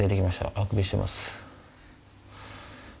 あくびしてます。